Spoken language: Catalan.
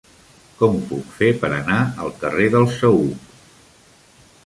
Com ho puc fer per anar al carrer del Saüc?